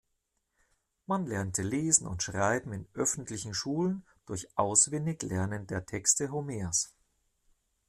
Man lernte Lesen und Schreiben in öffentlichen Schulen durch Auswendiglernen der Texte Homers.